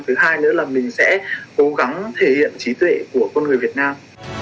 thứ hai nữa là mình sẽ cố gắng thể hiện trí tuệ của con người việt nam